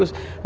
iya itu bagus